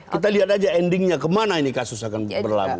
kita lihat saja endingnya kemana ini kasus akan berlaku